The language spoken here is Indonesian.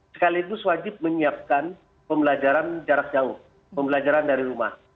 sekaligus wajib menyiapkan pembelajaran jarak jauh pembelajaran dari rumah